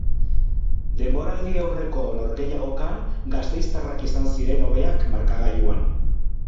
Denboraldiaurreko norgehiagokan gasteiztarrak izan ziren hobeak markagailuan.